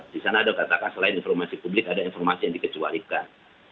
di sana ada katakan selain informasi publik ada informasi yang dikecualikan